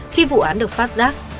khi vụ án được phát giác